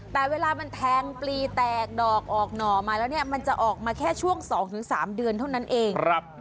แต่เวลามันแทงปลีแตกดอกออกหน่อมาแล้วมันจะออกมาแค่ช่วง๒๓เดือนเท่านั้นเอง